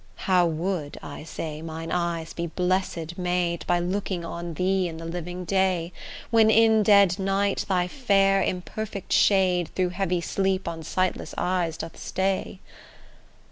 How would, I say, mine eyes be blessed made By looking on thee in the living day, When in dead night thy fair imperfect shade Through heavy sleep on sightless eyes doth stay!